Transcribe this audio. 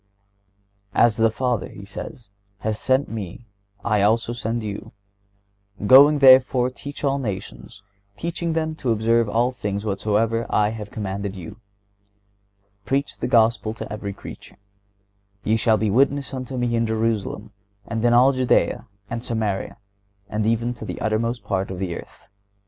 "As the Father," He says, "hath sent Me, I also send you."(117) "Going therefore, teach all nations, teaching them to observe all things whatsoever I have commanded you."(118) "Preach the Gospel to every creature."(119) "Ye shall be witnesses unto Me in Jerusalem, and in all Judea, and Samaria, and even to the uttermost part of the earth."